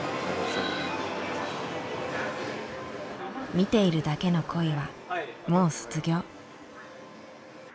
見ているだけの恋はもう卒業。